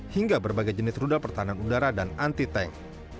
hingga berbagai jenis rudal pertahanan udara dan anti tank